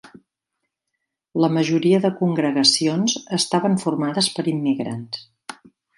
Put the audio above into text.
La majoria de congregacions estaven formades per immigrants.